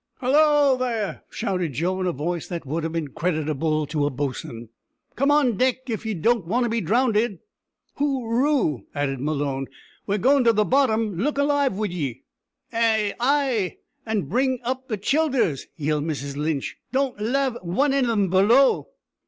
"Hallo! there," shouted Joe, in a voice that would have been creditable to a boatswain, "come on deck if ye don't want to be drownded." "Hooroo!" added Malone, "we're goin' to the bottom! Look alive wid ye." "Ay, an' bring up the childers," yelled Mrs Lynch. "Don't lave wan o' thim below."